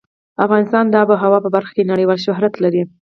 افغانستان د آب وهوا په برخه کې نړیوال شهرت لري.